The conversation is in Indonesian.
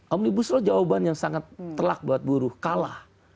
omnibus lawan yang sangat telak buat buruh kalah